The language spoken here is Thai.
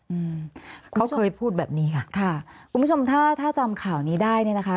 อืมเขาเคยพูดแบบนี้ค่ะค่ะคุณผู้ชมถ้าถ้าจำข่าวนี้ได้เนี้ยนะคะ